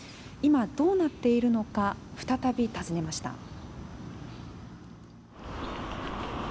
今、どうなっているのか、再び訪ねました。